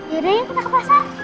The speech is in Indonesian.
ya udah yuk kita ke pasar